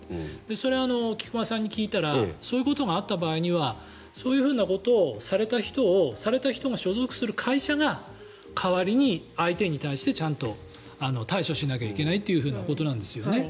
それは菊間さんに聞いたらそういうことがあった場合にはそういうふうなことをされた人をされた人が所属する会社が代わりに相手に対してちゃんと対処しなきゃいけないということですよね。